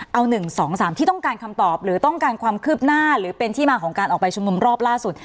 เอา๑๒๓ที่ต้องการคำตอบหรือต้องการความคืบหน้าหรือเป็นที่มาของการออกไปชุมนุมรอบล่าสุด